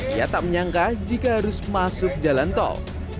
ia tak menyangka jika harus masuk jalan tol